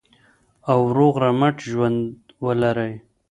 او روغ رمټ ژوند ولرئ.